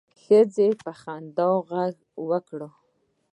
ښځې په خندا غږ وکړ.